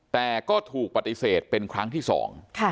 แต่ก็ถูกปฏิเสธเป็นครั้งที่สอง